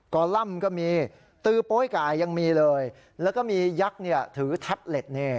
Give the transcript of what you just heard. อล่ำก็มีตือโป๊ยไก่ยังมีเลยแล้วก็มียักษ์เนี่ยถือแท็บเล็ตนี่